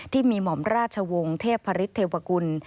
ที่มีหม่อมราชวงศ์เทพฤษเทวกุล